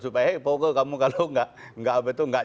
supaya fokke kamu kalau nggak